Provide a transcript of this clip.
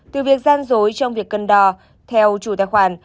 từ việc gian dối trong việc cân đò theo chủ tài khoản